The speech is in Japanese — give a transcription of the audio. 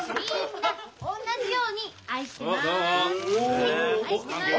はい愛してます。